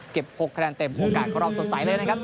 เก็บ๖แปลงเต็มโอกาสครอบสดใสเลยนะครับ